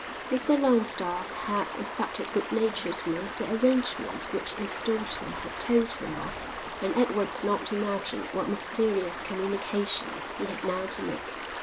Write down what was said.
Mr Longstaffe had accepted good naturedly the arrangement which his daughter had told him of and Edward could not imagine what mysterious communication he had now to make.